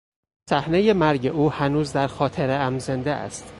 صحنهی مرگ او هنوز در خاطرهام زنده است.